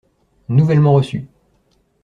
Nouvellement reçu.